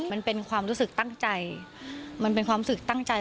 มันเป็นความรู้สึกตั้งใจมันเป็นความรู้สึกตั้งใจ